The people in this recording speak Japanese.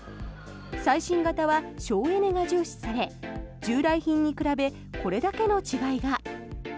最新型は省エネが重視され従来品に比べこれだけの違いが。